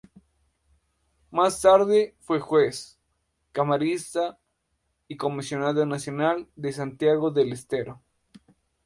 Más tarde fue juez, camarista y comisionado nacional a Santiago del Estero.